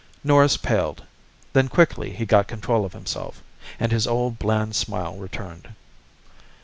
Norris paled. Then quickly he got control of himself, and his old bland smile returned.